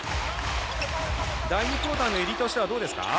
第２クオーターの入りとしてはどうですか？